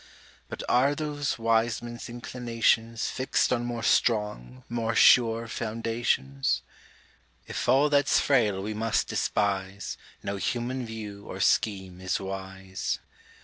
But are those wise men's inclinations Fixt on more strong, more sure foundations? If all that's frail we must despise, No human view or scheme is wise.